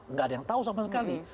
nggak ada yang tahu sama sekali